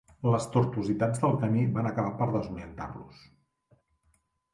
Les tortuositats del camí van acabar per desorientar-los.